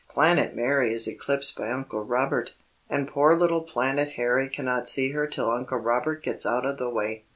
"Planet Mary is eclipsed by Uncle Robert, and poor little Planet Harry cannot see her till Uncle Robert gets out of the way."